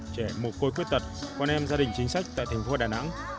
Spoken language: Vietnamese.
trẻ một côi khuyết tật con em gia đình chính sách tại thành phố đà nẵng